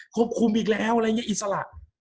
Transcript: คุมอีกแล้วอะไรอย่างนี้อิสระ